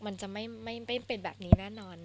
มันจะไม่เป็นแบบนี้แน่นอน